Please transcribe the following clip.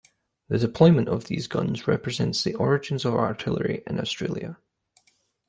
The deployment of these guns represents the origins of artillery in Australia.